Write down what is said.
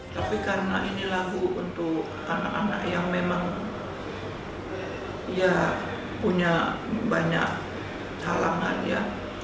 tapi karena ini lagu untuk anak anak yang memang ya punya banyak kalangan ya